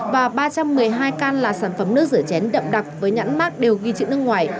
và ba trăm một mươi hai can là sản phẩm nước rửa chén đậm đặc với nhãn mát đều ghi chữ nước ngoài